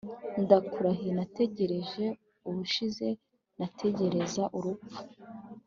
ndakurahiye natekereje ubushize natekereza urupfu